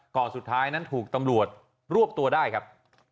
ก่อนสุดท้ายนั้นถูกตำรวจรวบตัวได้ครับ